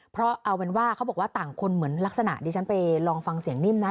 เพราะเอาเป็นว่าเขาบอกว่าต่างคนเหมือนลักษณะดิฉันไปลองฟังเสียงนิ่มนะ